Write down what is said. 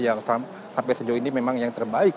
yang sampai sejauh ini memang yang terbaik